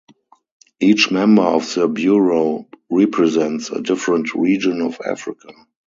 Each member of the Bureau represents a different region of Africa.